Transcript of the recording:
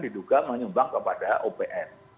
diduga menyumbang kepada opm